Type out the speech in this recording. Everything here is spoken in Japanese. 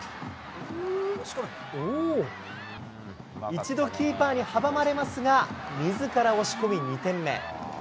一度キーパーに阻まれますが、みずから押し込み２点目。